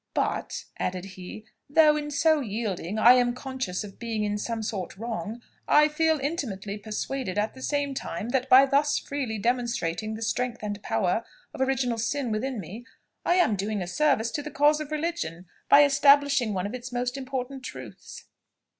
"But," added he, "though in so yielding, I am conscious of being in some sort wrong, I feel intimately persuaded at the same time, that by thus freely demonstrating the strength and power of original sin within me, I am doing a service to the cause of religion, by establishing one of its most important truths."